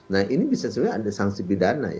nah ini bisa ada sangsi pidana